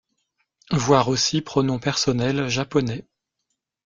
Voir aussi Pronoms personnels japonais.